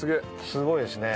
すごいですね。